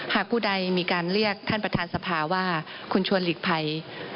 ผู้ใดมีการเรียกท่านประธานสภาว่าคุณชวนหลีกภัย